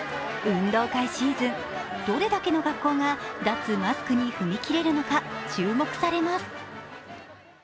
運動会シーズン、どれだけの学校が脱マスクに踏み切れるのか注目されます。